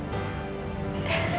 kita harus menyambut masa depan